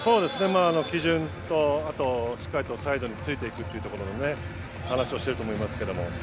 基準とあと、しっかりサイドについていくっていうところの話をしていると思いますけど。